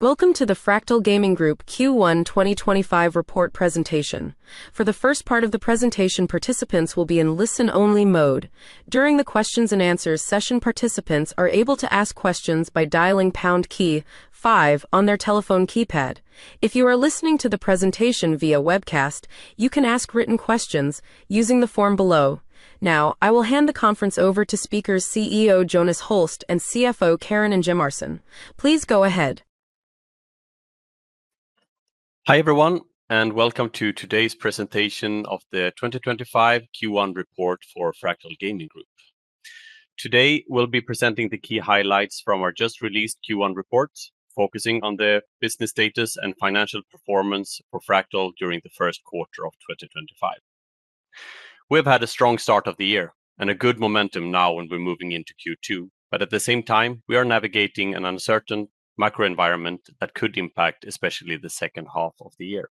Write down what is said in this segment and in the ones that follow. Welcome to the Fractal Gaming Group Q1 2025 Report presentation. For the first part of the presentation, participants will be in listen-only mode. During the Q&A session, participants are able to ask questions by dialing Pound key five on their telephone keypad. If you are listening to the presentation via webcast, you can ask written questions using the form below. Now, I will hand the conference over to CEO Jonas Holst and CFO Karin Ingemarson. Please go ahead. Hi everyone, and welcome to today's presentation of the 2025 Q1 report for Fractal Gaming Group. Today, we'll be presenting the key highlights from our just-released Q1 reports, focusing on the business status and financial performance for Fractal during the first quarter of 2025. We've had a strong start of the year and a good momentum now when we're moving into Q2, but at the same time, we are navigating an uncertain macro environment that could impact especially the second half of the year.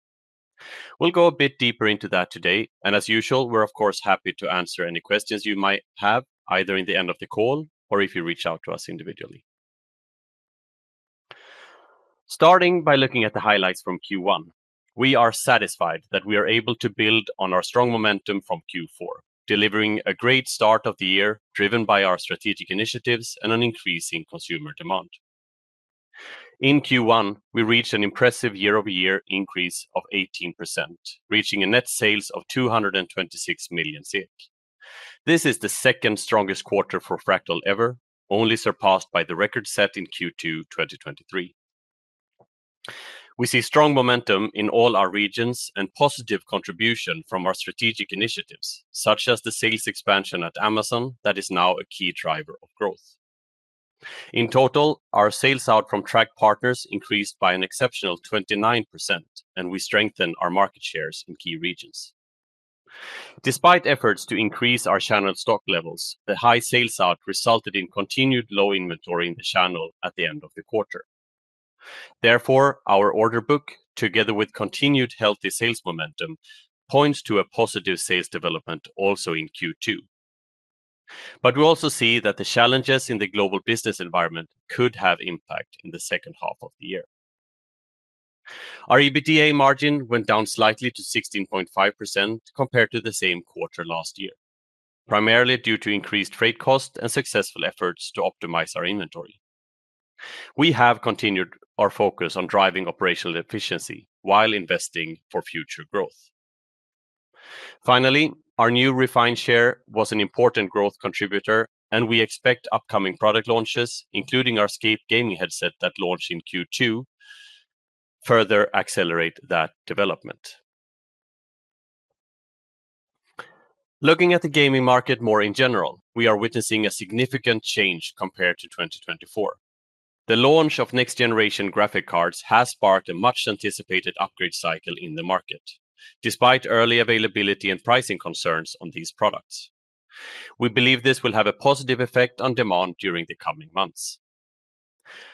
We'll go a bit deeper into that today, and as usual, we're of course happy to answer any questions you might have, either in the end of the call or if you reach out to us individually. Starting by looking at the highlights from Q1, we are satisfied that we are able to build on our strong momentum from Q4, delivering a great start of the year driven by our strategic initiatives and an increase in consumer demand. In Q1, we reached an impressive year-over-year increase of 18%, reaching net sales of 226 million SEK. This is the second-strongest quarter for Fractal ever, only surpassed by the record set in Q2 2023. We see strong momentum in all our regions and positive contribution from our strategic initiatives, such as the sales expansion at Amazon that is now a key driver of growth. In total, our sales out from channel partners increased by an exceptional 29%, and we strengthen our market shares in key regions. Despite efforts to increase our channel stock levels, the high sales out resulted in continued low inventory in the channel at the end of the quarter. Therefore, our order book, together with continued healthy sales momentum, points to a positive sales development also in Q2. We also see that the challenges in the global business environment could have impact in the second half of the year. Our EBITDA margin went down slightly to 16.5% compared to the same quarter last year, primarily due to increased freight costs and successful efforts to optimize our inventory. We have continued our focus on driving operational efficiency while investing for future growth. Finally, our new Refine chair was an important growth contributor, and we expect upcoming product launches, including our Escape gaming headset that launched in Q2, to further accelerate that development. Looking at the gaming market more in general, we are witnessing a significant change compared to 2024. The launch of next-generation graphic cards has sparked a much-anticipated upgrade cycle in the market, despite early availability and pricing concerns on these products. We believe this will have a positive effect on demand during the coming months.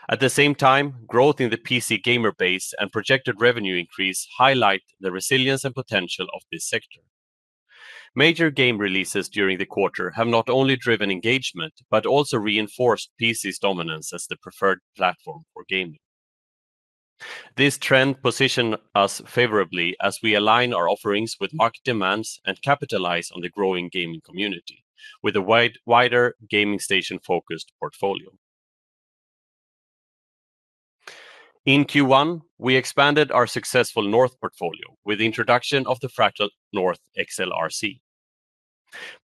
At the same time, growth in the PC gamer base and projected revenue increase highlight the resilience and potential of this sector. Major game releases during the quarter have not only driven engagement but also reinforced PC's dominance as the preferred platform for gaming. This trend positions us favorably as we align our offerings with market demands and capitalize on the growing gaming community with a wider gaming station-focused portfolio. In Q1, we expanded our successful North portfolio with the introduction of the Fractal North XL RC.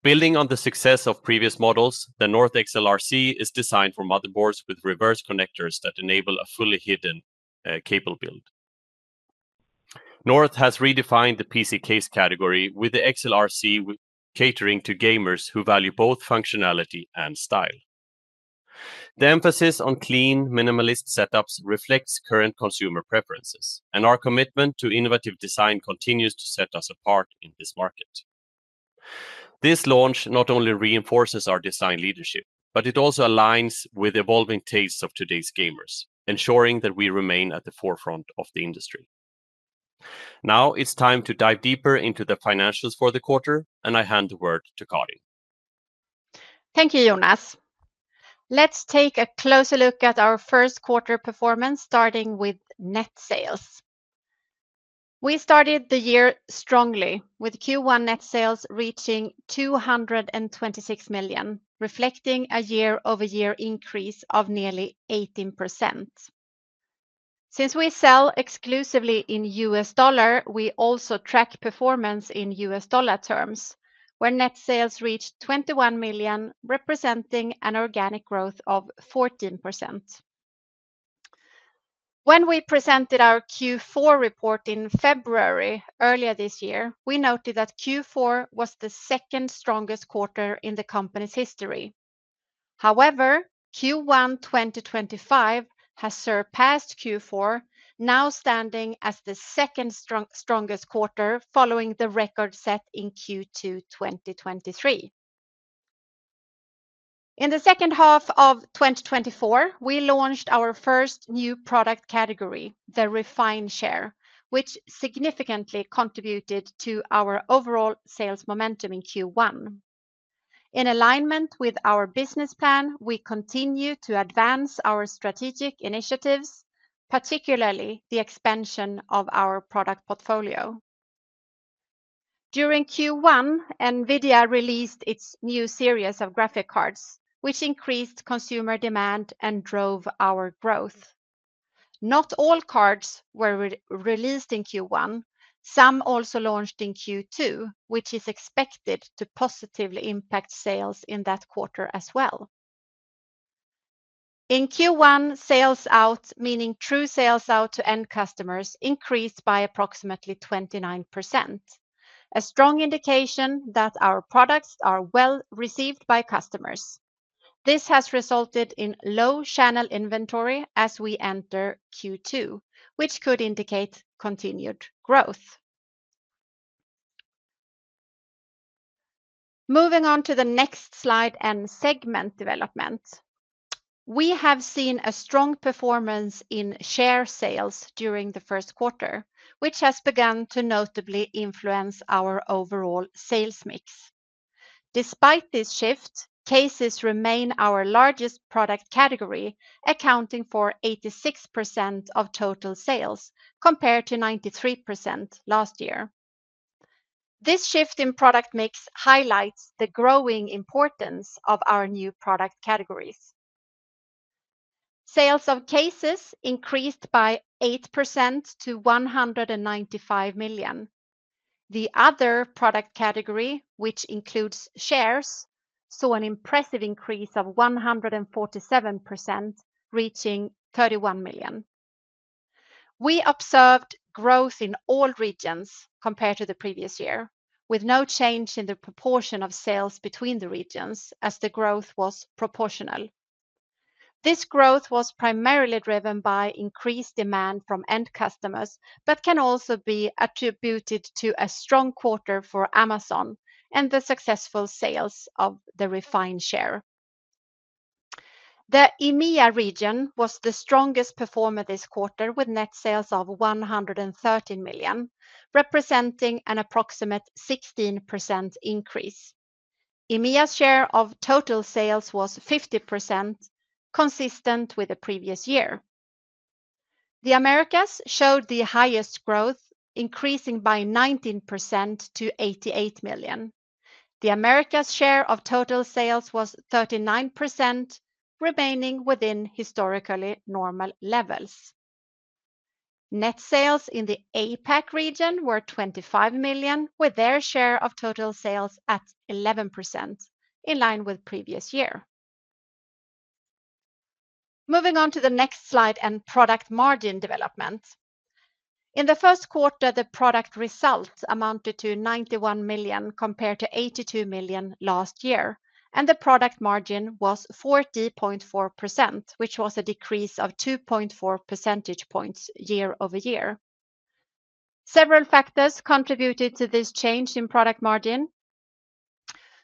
Building on the success of previous models, the North XL RC is designed for motherboards with reverse connectors that enable a fully hidden cable build. North has redefined the PC case category, with the XL RC catering to gamers who value both functionality and style. The emphasis on clean, minimalist setups reflects current consumer preferences, and our commitment to innovative design continues to set us apart in this market. This launch not only reinforces our design leadership, but it also aligns with evolving tastes of today's gamers, ensuring that we remain at the forefront of the industry. Now it's time to dive deeper into the financials for the quarter, and I hand the word to Karin. Thank you, Jonas. Let's take a closer look at our first quarter performance, starting with net sales. We started the year strongly, with Q1 net sales reaching 226 million, reflecting a year-over-year increase of nearly 18%. Since we sell exclusively in U.S. dollar, we also track performance in U.S. dollar terms, where net sales reached $21 million, representing an organic growth of 14%. When we presented our Q4 report in February earlier this year, we noted that Q4 was the second strongest quarter in the company's history. However, Q1 2025 has surpassed Q4, now standing as the second strongest quarter following the record set in Q2 2023. In the second half of 2024, we launched our first new product category, the Refine chair, which significantly contributed to our overall sales momentum in Q1. In alignment with our business plan, we continue to advance our strategic initiatives, particularly the expansion of our product portfolio. During Q1, NVIDIA released its new series of graphic cards, which increased consumer demand and drove our growth. Not all cards were released in Q1; some also launched in Q2, which is expected to positively impact sales in that quarter as well. In Q1, sales out, meaning true sales out to end customers, increased by approximately 29%, a strong indication that our products are well received by customers. This has resulted in low channel inventory as we enter Q2, which could indicate continued growth. Moving on to the next slide and segment development, we have seen a strong performance in share sales during the first quarter, which has begun to notably influence our overall sales mix. Despite this shift, cases remain our largest product category, accounting for 86% of total sales compared to 93% last year. This shift in product mix highlights the growing importance of our new product categories. Sales of cases increased by 8% to 195 million. The other product category, which includes chairs, saw an impressive increase of 147%, reaching 31 million. We observed growth in all regions compared to the previous year, with no change in the proportion of sales between the regions as the growth was proportional. This growth was primarily driven by increased demand from end customers but can also be attributed to a strong quarter for Amazon and the successful sales of the Refine chair. The EMEA region was the strongest performer this quarter, with net sales of 113 million, representing an approximate 16% increase. EMEA's share of total sales was 50%, consistent with the previous year. The Americas showed the highest growth, increasing by 19% to $88 million. The Americas' share of total sales was 39%, remaining within historically normal levels. Net sales in the APAC region were $25 million, with their share of total sales at 11%, in line with the previous year. Moving on to the next slide and product margin development. In the first quarter, the product result amounted to $91 million compared to $82 million last year, and the product margin was 40.4%, which was a decrease of 2.4 percentage points year over year. Several factors contributed to this change in product margin.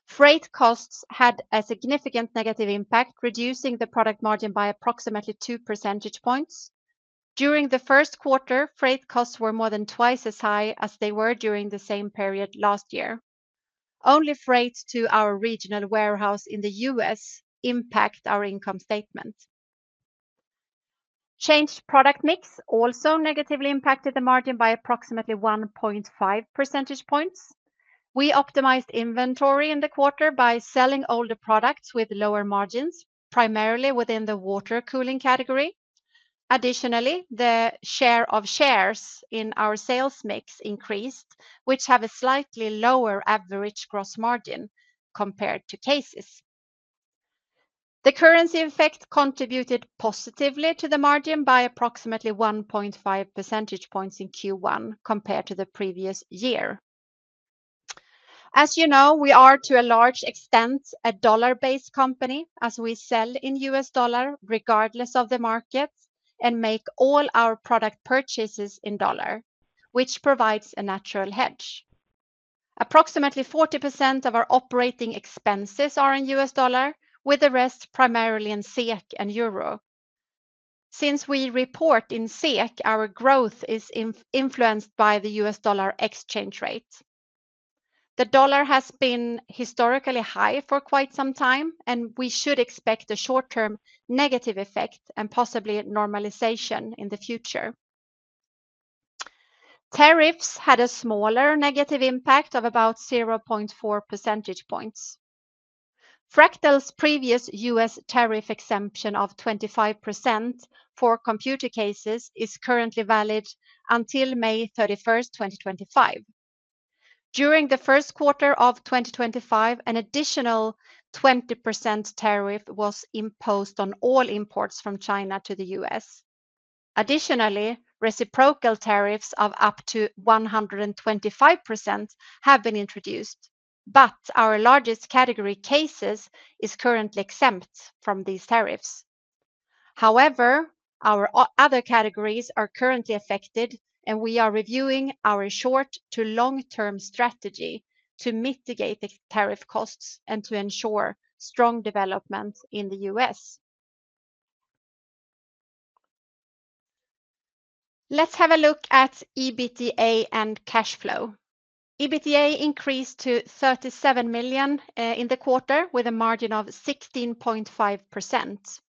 Freight costs had a significant negative impact, reducing the product margin by approximately 2 percentage points. During the first quarter, freight costs were more than twice as high as they were during the same period last year. Only freight to our regional warehouse in the U.S. impacted our income statement. Changed product mix also negatively impacted the margin by approximately 1.5 percentage points. We optimized inventory in the quarter by selling older products with lower margins, primarily within the water cooling category. Additionally, the share of chairs in our sales mix increased, which has a slightly lower average gross margin compared to cases. The currency effect contributed positively to the margin by approximately 1.5 percentage points in Q1 compared to the previous year. As you know, we are to a large extent a dollar-based company as we sell in U.S. dollar regardless of the market and make all our product purchases in dollar, which provides a natural hedge. Approximately 40% of our operating expenses are in U.S. dollar, with the rest primarily in SEK and euro. Since we report in SEK, our growth is influenced by the U.S. dollar exchange rate. The dollar has been historically high for quite some time, and we should expect a short-term negative effect and possibly normalization in the future. Tariffs had a smaller negative impact of about 0.4 percentage points. Fractal's previous U.S. tariff exemption of 25% for computer cases is currently valid until May 31st, 2025. During the first quarter of 2025, an additional 20% tariff was imposed on all imports from China to the U.S.. Additionally, reciprocal tariffs of up to 125% have been introduced, but our largest category, cases, is currently exempt from these tariffs. However, our other categories are currently affected, and we are reviewing our short- to long-term strategy to mitigate the tariff costs and to ensure strong development in the U.S.. Let's have a look at EBITDA and cash flow. EBITDA increased to 37 million in the quarter with a margin of 16.5%.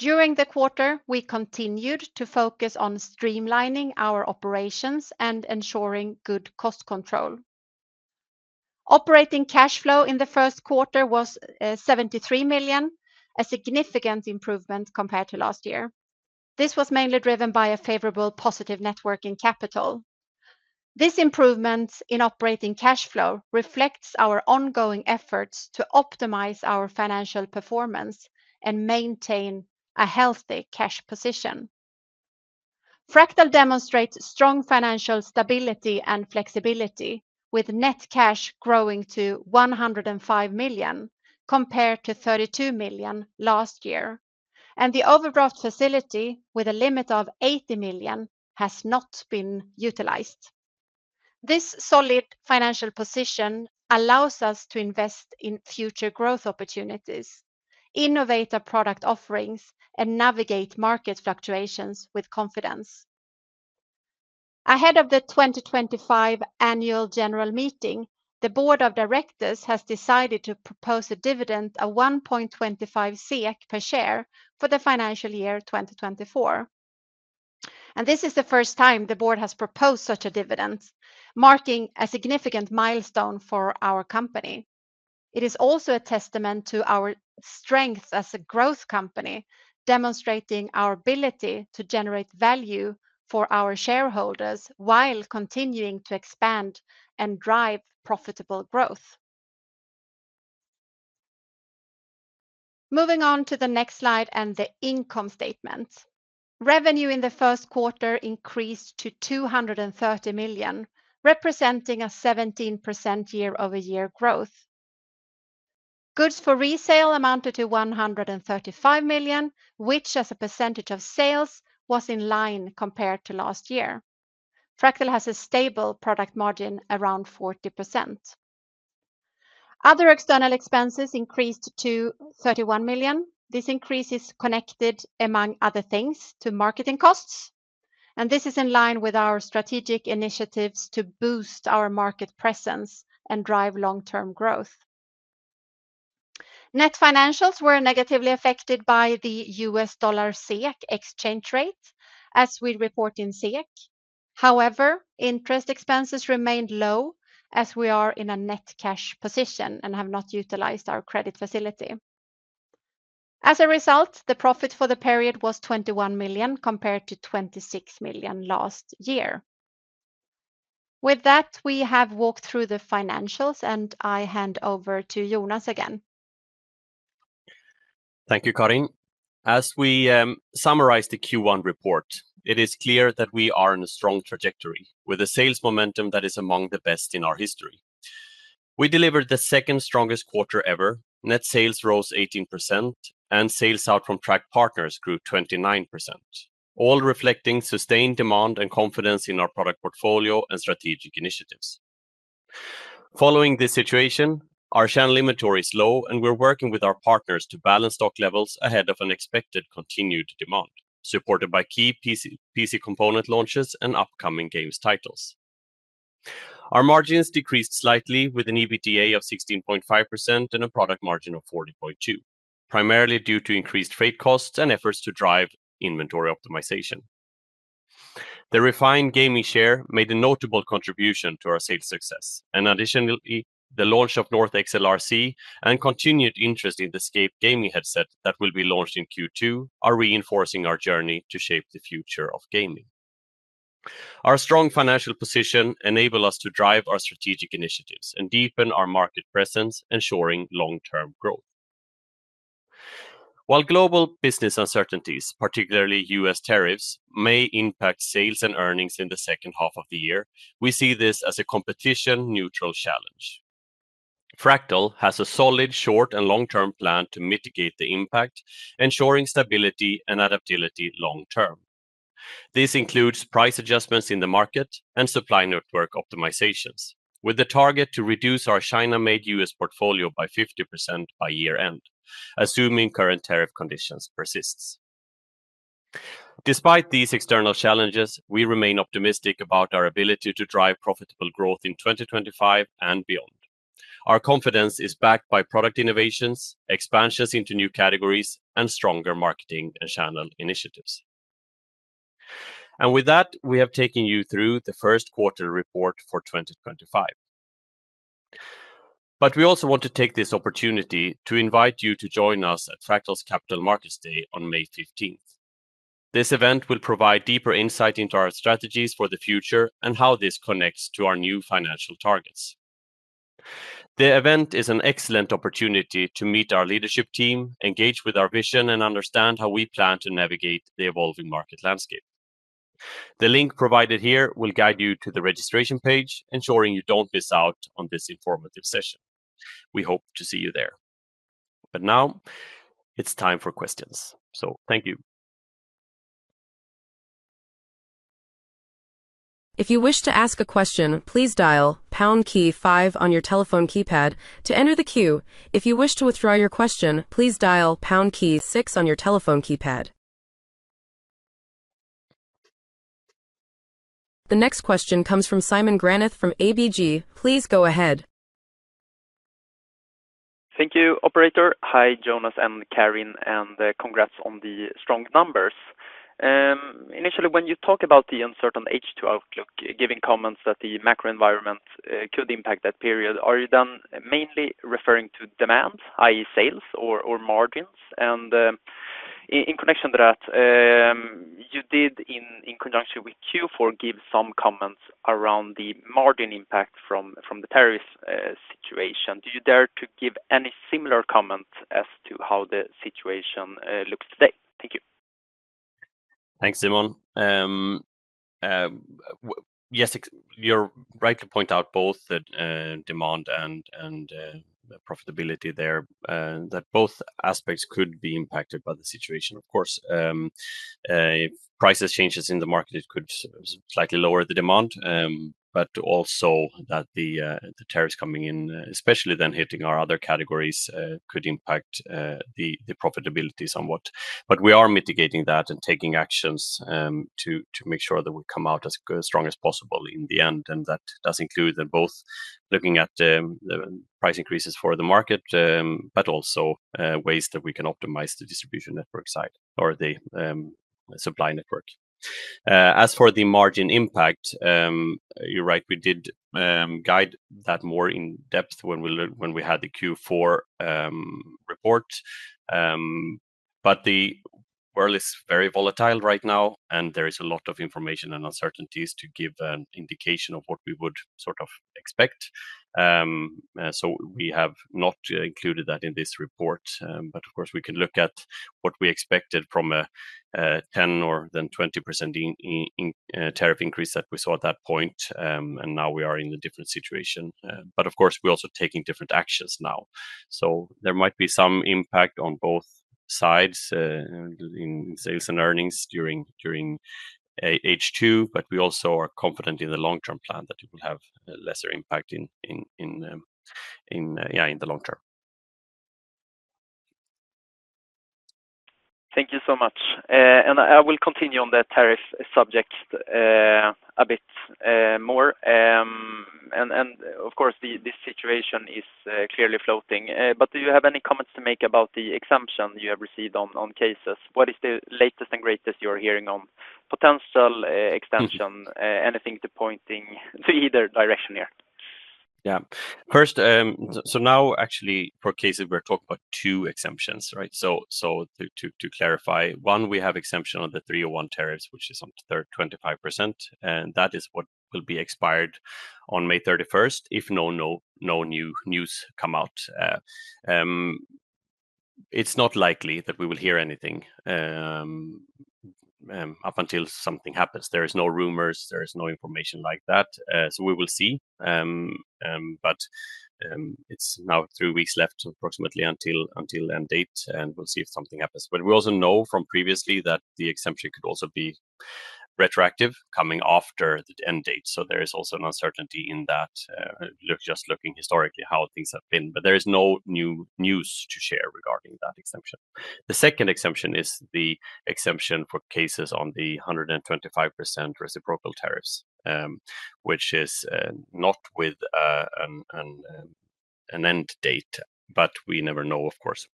During the quarter, we continued to focus on streamlining our operations and ensuring good cost control. Operating cash flow in the first quarter was 73 million, a significant improvement compared to last year. This was mainly driven by a favorable positive net working capital. This improvement in operating cash flow reflects our ongoing efforts to optimize our financial performance and maintain a healthy cash position. Fractal demonstrates strong financial stability and flexibility, with net cash growing to 105 million compared to 32 million last year, and the overdraft facility with a limit of 80 million has not been utilized. This solid financial position allows us to invest in future growth opportunities, innovate our product offerings, and navigate market fluctuations with confidence. Ahead of the 2025 annual general meeting, the board of directors has decided to propose a dividend of 1.25 SEK per share for the financial year 2024. This is the first time the board has proposed such a dividend, marking a significant milestone for our company. It is also a testament to our strength as a growth company, demonstrating our ability to generate value for our shareholders while continuing to expand and drive profitable growth. Moving on to the next slide and the income statement. Revenue in the first quarter increased to 230 million, representing a 17% year-over-year growth. Goods for resale amounted to 135 million, which as a percentage of sales was in line compared to last year. Fractal has a stable product margin around 40%. Other external expenses increased to 31 million. This increase is connected, among other things, to marketing costs, and this is in line with our strategic initiatives to boost our market presence and drive long-term growth. Net financials were negatively affected by the U.S. dollar SEK exchange rate, as we report in SEK. However, interest expenses remained low as we are in a net cash position and have not utilized our credit facility. As a result, the profit for the period was 21 million compared to 26 million last year. With that, we have walked through the financials, and I hand over to Jonas again. Thank you, Karin. As we summarize the Q1 report, it is clear that we are on a strong trajectory with a sales momentum that is among the best in our history. We delivered the second strongest quarter ever. Net sales rose 18%, and sales out from tracked partners grew 29%, all reflecting sustained demand and confidence in our product portfolio and strategic initiatives. Following this situation, our channel inventory is low, and we're working with our partners to balance stock levels ahead of unexpected continued demand, supported by key PC component launches and upcoming games titles. Our margins decreased slightly with an EBITDA of 16.5% and a product margin of 40.2%, primarily due to increased freight costs and efforts to drive inventory optimization. .The Refine chair made a notable contribution to our sales success, and additionally, the launch of North XL RC and continued interest in the Escape gaming headset that will be launched in Q2 are reinforcing our journey to shape the future of gaming. Our strong financial position enables us to drive our strategic initiatives and deepen our market presence, ensuring long-term growth. While global business uncertainties, particularly U.S. tariffs, may impact sales and earnings in the second half of the year, we see this as a competition-neutral challenge. Fractal has a solid short and long-term plan to mitigate the impact, ensuring stability and adaptability long-term. This includes price adjustments in the market and supply network optimizations, with the target to reduce our China-made U.S. portfolio by 50% by year-end, assuming current tariff conditions persist. Despite these external challenges, we remain optimistic about our ability to drive profitable growth in 2025 and beyond. Our confidence is backed by product innovations, expansions into new categories, and stronger marketing and channel initiatives. With that, we have taken you through the first quarter report for 2025. We also want to take this opportunity to invite you to join us at Fractal's Capital Markets Day on May 15th. This event will provide deeper insight into our strategies for the future and how this connects to our new financial targets. The event is an excellent opportunity to meet our leadership team, engage with our vision, and understand how we plan to navigate the evolving market landscape. The link provided here will guide you to the registration page, ensuring you do not miss out on this informative session. We hope to see you there. Now, it is time for questions. Thank you. If you wish to ask a question, please dial Pound key five on your telephone keypad to enter the queue. If you wish to withdraw your question, please dial Pound key six on your telephone keypad. The next question comes from Simon Granath from ABG. Please go ahead. Thank you, Operator. Hi, Jonas and Karin, and congrats on the strong numbers. Initially, when you talk about the uncertain H2 outlook, giving comments that the macro environment could impact that period, are you then mainly referring to demand, i.e., sales or margins? In connection to that, you did, in conjunction with Q4, give some comments around the margin impact from the tariff situation. Do you dare to give any similar comment as to how the situation looks today? Thank you. Thanks, Simon. Yes, you're right to point out both the demand and profitability there, that both aspects could be impacted by the situation. Of course, price changes in the market could slightly lower the demand, but also that the tariffs coming in, especially then hitting our other categories, could impact the profitability somewhat. We are mitigating that and taking actions to make sure that we come out as strong as possible in the end. That does include both looking at the price increases for the market, but also ways that we can optimize the distribution network side or the supply network. As for the margin impact, you're right, we did guide that more in depth when we had the Q4 report. The world is very volatile right now, and there is a lot of information and uncertainties to give an indication of what we would sort of expect. We have not included that in this report, but of course, we can look at what we expected from a 10% or then 20% tariff increase that we saw at that point, and now we are in a different situation. We are also taking different actions now. There might be some impact on both sides in sales and earnings during H2, but we also are confident in the long-term plan that it will have lesser impact in the long term. Thank you so much. I will continue on the tariff subject a bit more. Of course, this situation is clearly floating. Do you have any comments to make about the exemption you have received on cases? What is the latest and greatest you're hearing on potential extension? Anything to point to either direction here? Yeah. First, so now actually for cases, we're talking about two exemptions, right? To clarify, one, we have exemption on the 301 tariffs, which is on 25%, and that is what will be expired on May 31st. If no news come out, it's not likely that we will hear anything up until something happens. There are no rumors, there is no information like that. We will see. It's now three weeks left approximately until the end date, and we'll see if something happens. We also know from previously that the exemption could also be retroactive coming after the end date. There is also an uncertainty in that, just looking historically how things have been. There is no news to share regarding that exemption. The second exemption is the exemption for cases on the 125% reciprocal tariffs, which is not with an end date, but we never know, of course,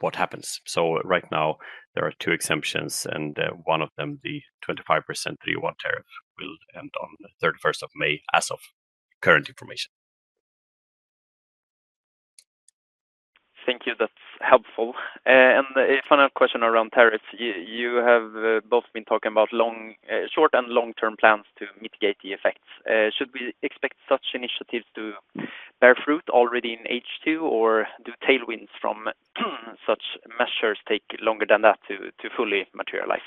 what happens. Right now, there are two exemptions, and one of them, the 25% 301 tariff, will end on the 31st of May as of current information. Thank you. That's helpful. A final question around tariffs. You have both been talking about short and long-term plans to mitigate the effects. Should we expect such initiatives to bear fruit already in H2, or do tailwinds from such measures take longer than that to fully materialize?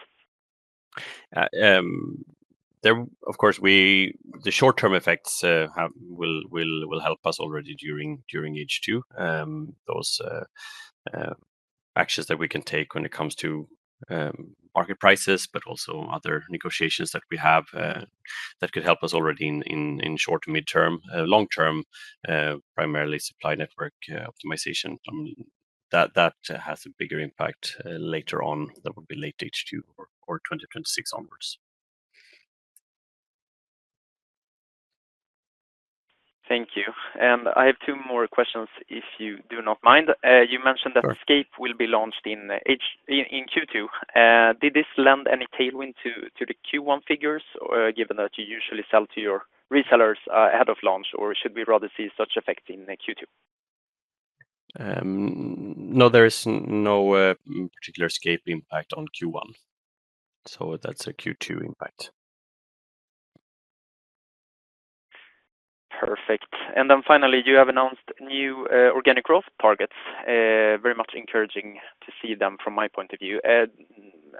Of course, the short-term effects will help us already during H2. Those actions that we can take when it comes to market prices, but also other negotiations that we have that could help us already in short to mid-term, long-term, primarily supply network optimization. That has a bigger impact later on that will be late H2 or 2026 onwards. Thank you. I have two more questions if you do not mind. You mentioned that Escape will be launched in Q2. Did this lend any tailwind to the Q1 figures, given that you usually sell to your resellers ahead of launch, or should we rather see such effects in Q2? No, there is no particular Escape impact on Q1. So that's a Q2 impact. Perfect. Finally, you have announced new organic growth targets. Very much encouraging to see them from my point of view.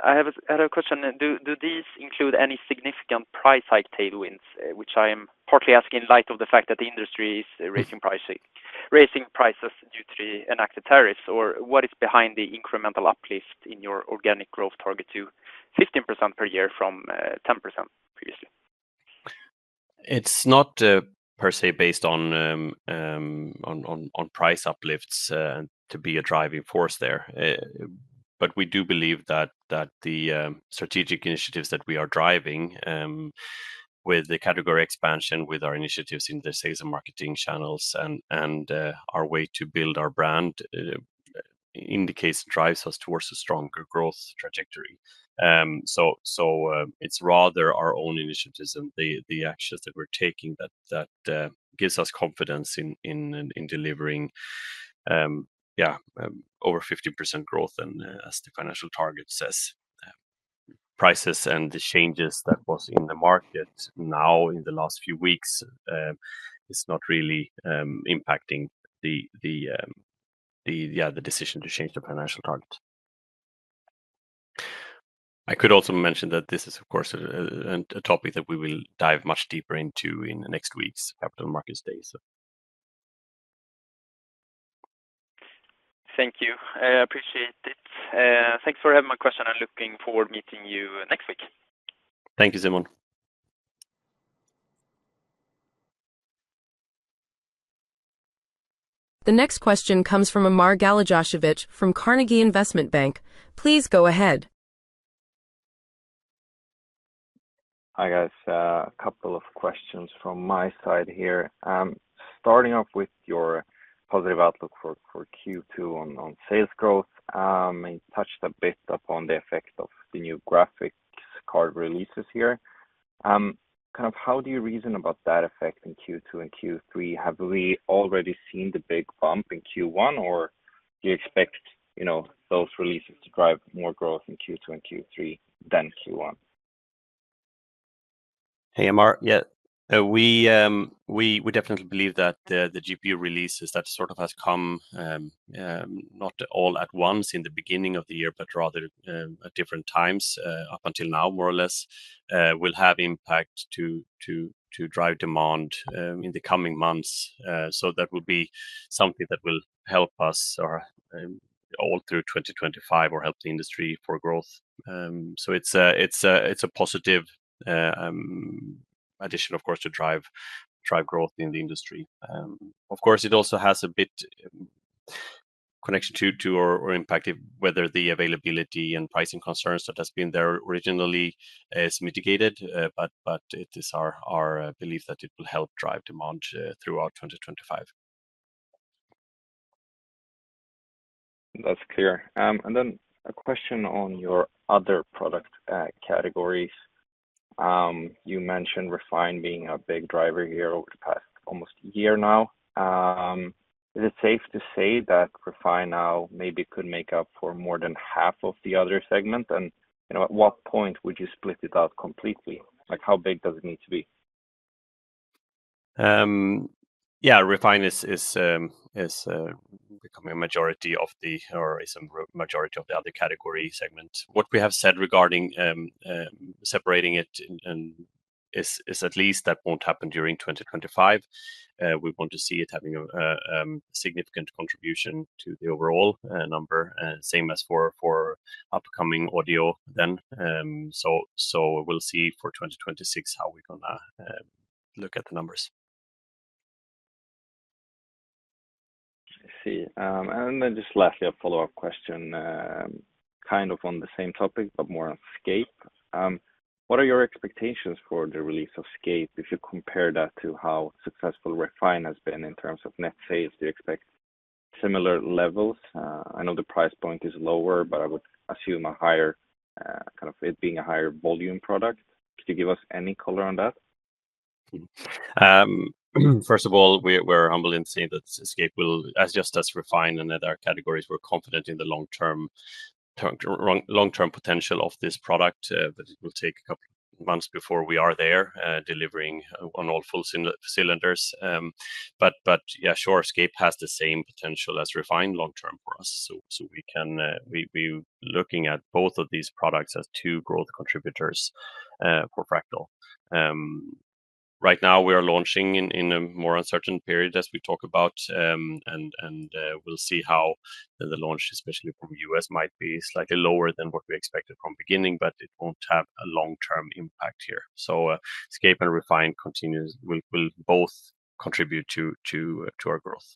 I have a question. Do these include any significant price hike tailwinds, which I am partly asking in light of the fact that the industry is raising prices due to enacted tariffs, or what is behind the incremental uplift in your organic growth target to 15% per year from 10% previously? It's not per se based on price uplifts to be a driving force there. We do believe that the strategic initiatives that we are driving with the category expansion, with our initiatives in the sales and marketing channels, and our way to build our brand in the case drives us towards a stronger growth trajectory. It's rather our own initiatives and the actions that we're taking that gives us confidence in delivering, yeah, over 50% growth and as the financial target says. Prices and the changes that was in the market now in the last few weeks is not really impacting the decision to change the financial target. I could also mention that this is, of course, a topic that we will dive much deeper into in the next week's Capital Markets Day. Thank you. I appreciate it. Thanks for having my question. I'm looking forward to meeting you next week. Thank you, Simon. The next question comes from Amar Galijasevic from Carnegie Investment Bank. Please go ahead. Hi guys. A couple of questions from my side here. Starting off with your positive outlook for Q2 on sales growth. You touched a bit upon the effect of the new graphics card releases here. Kind of how do you reason about that effect in Q2 and Q3? Have we already seen the big bump in Q1, or do you expect those releases to drive more growth in Q2 and Q3 than Q1? Hey, Amar. Yeah, we definitely believe that the GPU releases that sort of have come not all at once in the beginning of the year, but rather at different times up until now, more or less, will have impact to drive demand in the coming months. That will be something that will help us all through 2025 or help the industry for growth. It is a positive addition, of course, to drive growth in the industry. Of course, it also has a bit of connection to or impacted whether the availability and pricing concerns that have been there originally is mitigated, but it is our belief that it will help drive demand throughout 2025. That's clear. A question on your other product categories. You mentioned Refine being a big driver here over the past almost year now. Is it safe to say that Refine now maybe could make up for more than half of the other segment? At what point would you split it out completely? How big does it need to be? Yeah, Refine is becoming a majority of the or is a majority of the other category segment. What we have said regarding separating it is at least that will not happen during 2025. We want to see it having a significant contribution to the overall number, same as for upcoming audio then. We will see for 2026 how we are going to look at the numbers. I see. Lastly, a follow-up question kind of on the same topic, but more on Escape. What are your expectations for the release of Escape if you compare that to how successful Refine has been in terms of net sales? Do you expect similar levels? I know the price point is lower, but I would assume a higher kind of it being a higher volume product. Could you give us any color on that? First of all, we're humbled in saying that Escape will, just as Refine and other categories, we're confident in the long-term potential of this product, but it will take a couple of months before we are there delivering on all full cylinders. Yeah, sure, Escape has the same potential as Refine long-term for us. We are looking at both of these products as two growth contributors for Fractal. Right now, we are launching in a more uncertain period as we talk about, and we'll see how the launch, especially from the U.S., might be slightly lower than what we expected from the beginning, but it will not have a long-term impact here. Escape and Refine will both contribute to our growth.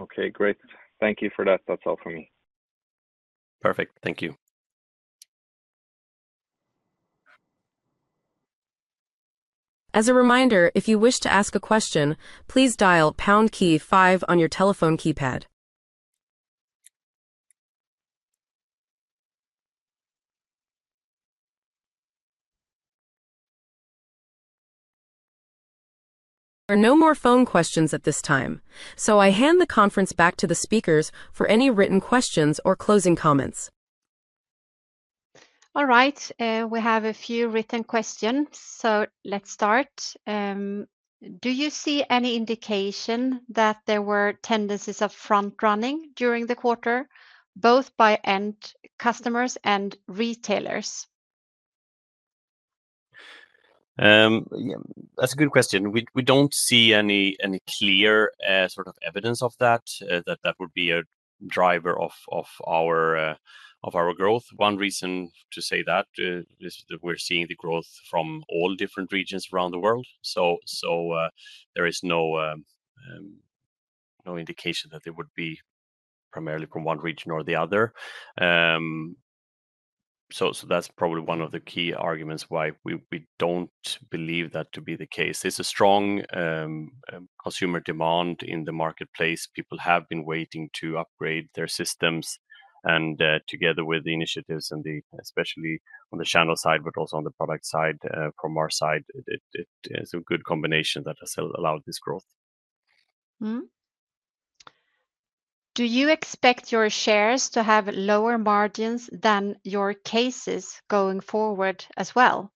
Okay, great. Thank you for that. That's all for me. Perfect. Thank you. As a reminder, if you wish to ask a question, please dial Pound key five on your telephone keypad. There are no more phone questions at this time, so I hand the conference back to the speakers for any written questions or closing comments. All right. We have a few written questions, so let's start. Do you see any indication that there were tendencies of front-running during the quarter, both by end customers and retailers? That's a good question. We don't see any clear sort of evidence of that, that that would be a driver of our growth. One reason to say that is that we're seeing the growth from all different regions around the world. There is no indication that it would be primarily from one region or the other. That's probably one of the key arguments why we don't believe that to be the case. There's a strong consumer demand in the marketplace. People have been waiting to upgrade their systems. Together with the initiatives and especially on the channel side, but also on the product side from our side, it is a good combination that has allowed this growth. Do you expect your chairs to have lower margins than your cases going forward as well?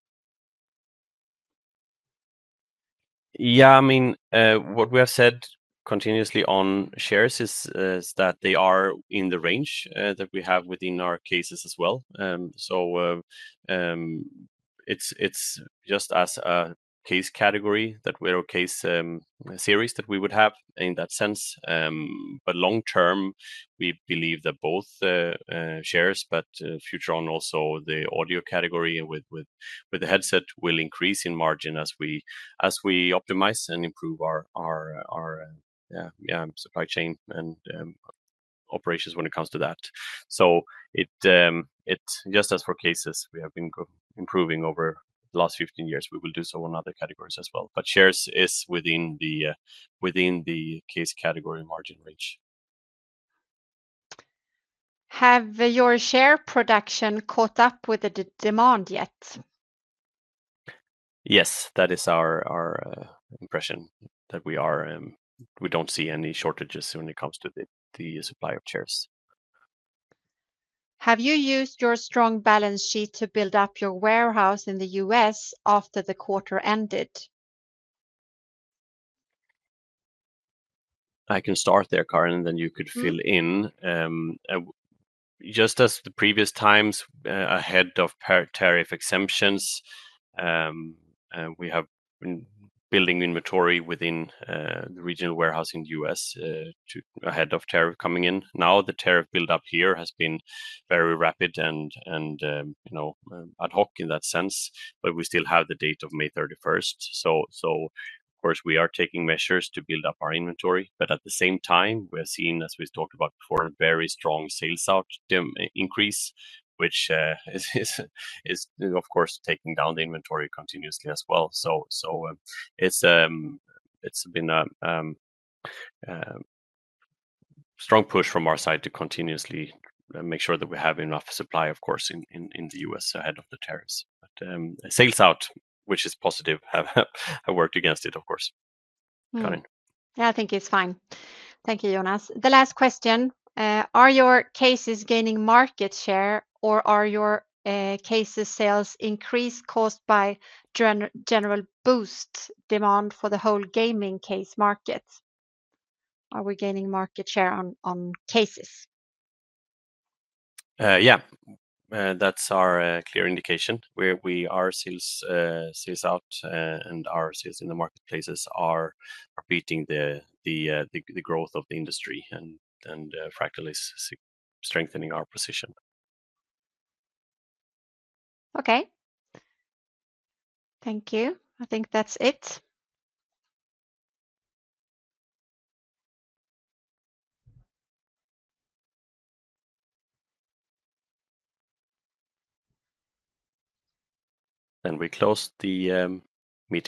Yeah, I mean, what we have said continuously on shares is that they are in the range that we have within our cases as well. It is just as a case category that we are a case series that we would have in that sense. Long-term, we believe that both shares, but future on also the audio category with the headset, will increase in margin as we optimize and improve our supply chain and operations when it comes to that. Just as for cases, we have been improving over the last 15 years. We will do so on other categories as well. Shares is within the case category margin range. Has your share production caught up with the demand yet? Yes, that is our impression that we don't see any shortages when it comes to the supply of shares. Have you used your strong balance sheet to build up your warehouse in the U.S. after the quarter ended? I can start there, Karin, and then you could fill in. Just as the previous times ahead of tariff exemptions, we have been building inventory within the regional warehouse in the U.S. ahead of tariff coming in. Now the tariff build-up here has been very rapid and ad hoc in that sense, but we still have the date of May 31st. Of course, we are taking measures to build up our inventory. At the same time, we're seeing, as we talked about before, a very strong sales out increase, which is, of course, taking down the inventory continuously as well. It has been a strong push from our side to continuously make sure that we have enough supply, of course, in the U.S. ahead of the tariffs. Sales out, which is positive, have worked against it, of course. Yeah, I think it's fine. Thank you, Jonas. The last question. Are your cases gaining market share, or are your cases' sales increased caused by general boost demand for the whole gaming case market? Are we gaining market share on cases? Yeah, that's our clear indication. We are sales out, and our sales in the marketplaces are beating the growth of the industry, and Fractal is strengthening our position. Okay. Thank you. I think that's it. We close the meeting.